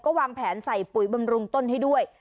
วางแผนใส่ปุ๋ยบำรุงต้นให้ด้วย